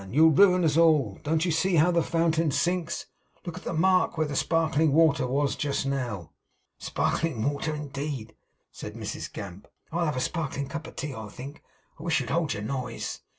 'You'll ruin us all. Don't you see how the fountain sinks? Look at the mark where the sparkling water was just now!' 'Sparkling water, indeed!' said Mrs Gamp. 'I'll have a sparkling cup o' tea, I think. I wish you'd hold your noise!